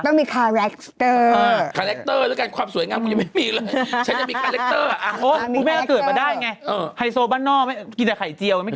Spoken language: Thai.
นี่แหละก็คือตัวของการสอนตัวรอดเป็นยอดดีจริง